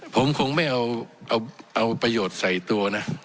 ผมคงไม่เอาประโยชน์ใส่ตัวนะ